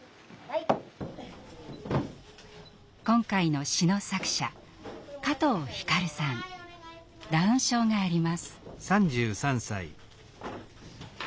今回の詩の作者ダウン症があります。